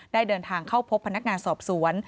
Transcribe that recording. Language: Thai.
ได้เดินทางเข้าพบพนักงานสอบสวน